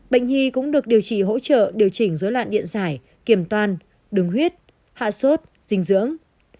bệnh nhi cũng được điều trị hỗ trợ điều chỉnh dối lạn điện giải kiềm toan đứng huyết hạ sốt dinh dưỡng